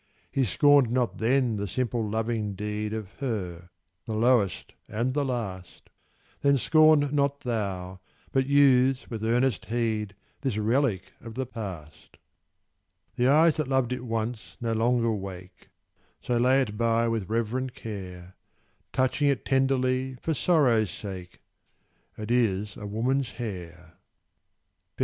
He scorned not then the simple loving deed Of her, the lowest and the last; Then scorn not thou, but use with earnest heed This relic of the past. The eyes that loved it once no longer wake: So lay it by with reverent care Touching it tenderly for sorrow's sake It is a woman's hair. _Feb.